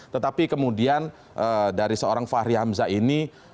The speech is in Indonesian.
tetapi kemudian dari seorang fahri hamzah ini